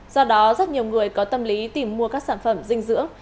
do đó rất nhiều người có tâm lý tìm mua các sản phẩm dinh dưỡng